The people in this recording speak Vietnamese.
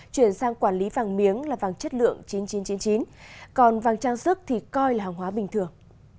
chuyển sang quản lý vàng miếng là vàng chất lượng chín nghìn chín trăm chín mươi chín còn vàng trang sức thì coi là hàng hóa bình thường